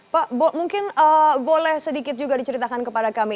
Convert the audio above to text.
pak mungkin boleh sedikit juga diceritakan kepada kami